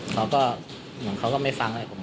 เขาก็เหมือนเขาก็ไม่ฟังอะไรผม